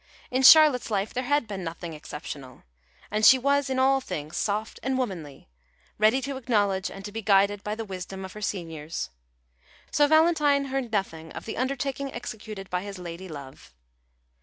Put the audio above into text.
In Charlotte's life there had been nothing exceptional, and she was in all things soft and womanly, ready to acknowledge, and to be guided by, the wisdom of her seniors. So Valentine heard nothing of the undertaking executed by his lady love.